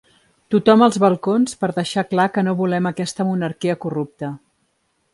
Tothom als balcons per deixar clar que no volem aquesta monarquia corrupta.